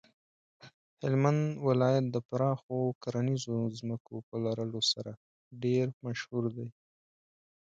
هلمند ولایت د پراخو کرنیزو ځمکو په لرلو سره ډیر مشهور دی.